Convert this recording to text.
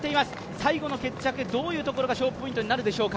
最後の決着どういうところが勝負ポイントになるでしょうか？